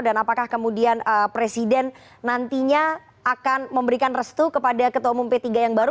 dan apakah kemudian presiden nantinya akan memberikan restu kepada ketua umum p tiga yang baru